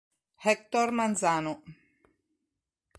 Héctor Manzano